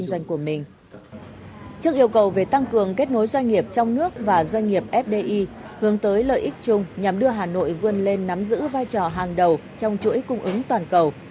trước yêu cầu về tăng cường kết nối doanh nghiệp trong nước và doanh nghiệp fdi hướng tới lợi ích chung nhằm đưa hà nội vươn lên nắm giữ vai trò hàng đầu trong chuỗi cung ứng toàn cầu